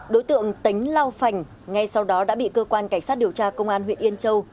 đối tượng tính lao phành ngay sau đó đã bị cơ quan cảnh sát điều tra công an huyện yên châu